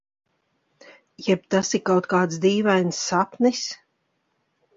Jeb tas ir kaut kāds dīvains sapnis?